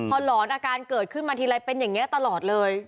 พอหลอนอาการเกิดขึ้นมาทีไรเป็นอย่างนี้ตลอดเลย